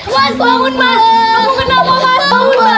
mas bangun mas